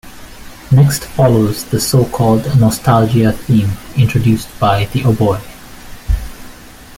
Next follows the so-called 'Nostalgia' theme introduced by the oboe.